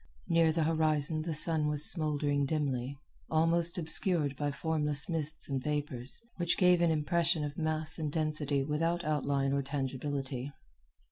Near the horizon the sun was smouldering dimly, almost obscured by formless mists and vapors, which gave an impression of mass and density without outline or tangibility.